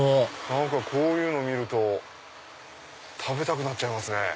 何かこういうの見ると食べたくなっちゃいますね。